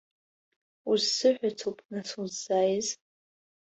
Узсыҳәацоуп нас уззааиз?